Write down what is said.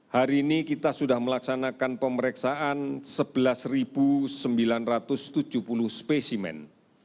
hari ini kita sudah melaksanakan pemeriksaan sebelas sembilan ratus tujuh puluh spesimen